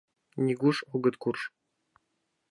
— Нигуш огыт курж.